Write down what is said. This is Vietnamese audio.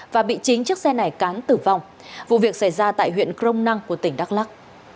và bị chính chiếc xe này cán tử vong vụ việc xảy ra tại huyện crom năng của tỉnh đắk lắc